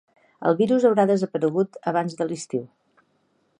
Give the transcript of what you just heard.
El virus haurà desaparegut abans de l'estiu.